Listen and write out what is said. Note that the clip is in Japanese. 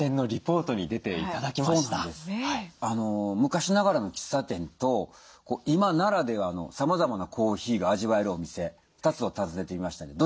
昔ながらの喫茶店と今ならではのさまざまなコーヒーが味わえるお店２つを訪ねてみましたんで。